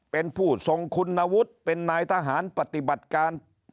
เป็นผู้ทรงคุณวุฒิเป็นนายทหารปฏิบัติการ